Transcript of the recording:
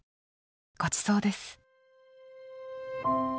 ごちそうです。